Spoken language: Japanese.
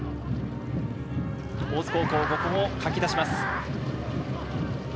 大津高校、ここもはき出します。